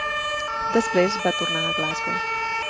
Després va tornar a Glasgow.